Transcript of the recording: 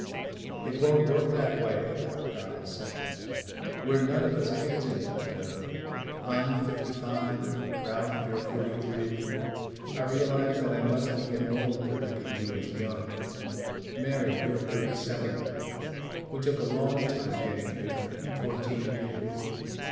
"It won't work that way," Farrel said. "We're none of us kids any longer. I'm fifty five. Ralph, you're forty three. I realize that I must be getting old to think of you as young. Mary, you're thirty seven. We took a long time getting here. Fourteen years.